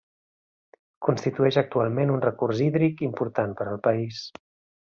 Constitueix actualment un recurs hídric important per al país.